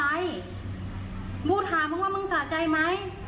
สะใจเรื่องอะไรบูธถามว่ามึงว่ามึงสะใจไหม